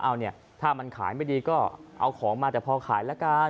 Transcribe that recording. เอาเนี่ยถ้ามันขายไม่ดีก็เอาของมาแต่พอขายละกัน